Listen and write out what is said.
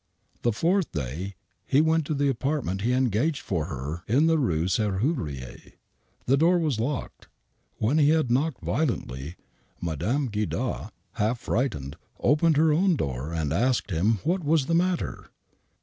The fourth day he went to the apartment he had engaged for her in the Rue Serrurier. The door was locked. When he had knocked violently, Mme. Guidard, half frightened,, opened her own door and asked him what was the matter.